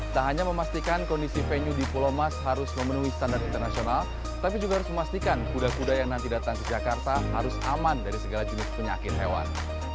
tak hanya memastikan kondisi venue di pulau mas harus memenuhi standar internasional tapi juga harus memastikan kuda kuda yang nanti datang ke jakarta harus aman dari segala jenis penyakit hewan